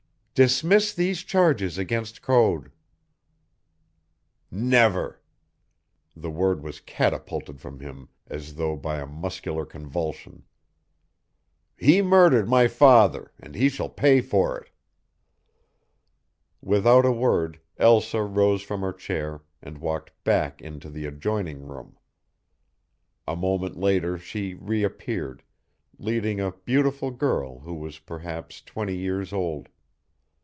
"Dismiss these charges against Code." "Never!" The word was catapulted from him as though by a muscular convulsion. "He murdered my father, and he shall pay for it!" Without a word Elsa rose from her chair and walked back into the adjoining room. A moment later she reappeared, leading a beautiful girl who was perhaps twenty years old.